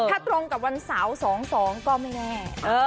ถ้าตรงกับวันเสาร์๒๒ก็ไม่แน่